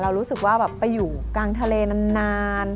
เรารู้สึกว่าไปอยู่กลางทะเลนาน